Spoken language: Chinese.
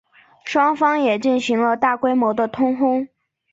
双方也进行了大规模的通婚。